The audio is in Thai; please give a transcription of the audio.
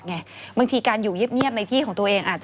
บางทีการอยู่เย็บในที่ของตัวเอง